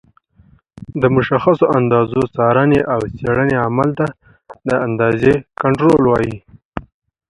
د مشخصو اندازو څارنې او څېړنې عمل ته د اندازې کنټرول وایي.